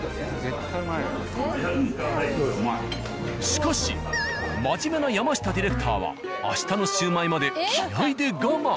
しかし真面目な山下ディレクターは明日のシュウマイまで気合いで我慢。